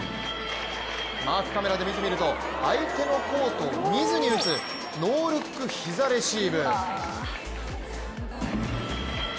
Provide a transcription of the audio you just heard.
マークカメラで見てみると相手のコートを見ずに打つノールック膝レシーブ。